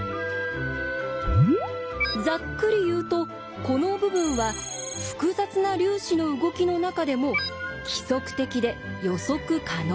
ざっくり言うとこの部分は複雑な粒子の動きの中でも規則的で予測可能な部分。